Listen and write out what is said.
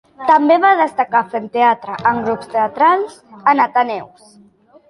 També va destacar fent teatre en grups teatrals en ateneus.